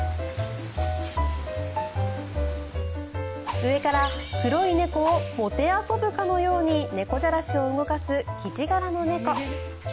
上から黒い猫をもてあそぶかのように猫じゃらしを動かすキジ柄の猫。